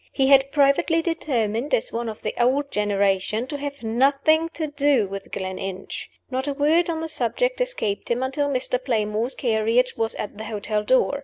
He had privately determined, as one of the old generation, to have nothing to do with Gleninch. Not a word on the subject escaped him until Mr. Playmore's carriage was at the hotel door.